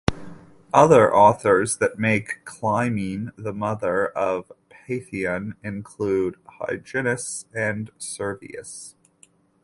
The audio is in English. Other authors that make Clymene the mother of Phaethon include Hyginus and Servius.